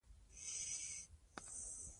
دوی د ویرې له امله ژوندي پاتې سوي.